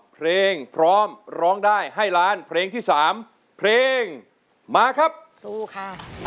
เพลงพร้อมร้องได้ให้ล้านเพลงที่สามเพลงมาครับสู้ค่ะ